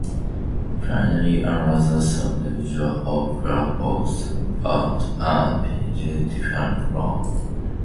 Finally, another sailor jumped on Blackbeard's back and inflicted a deep wound.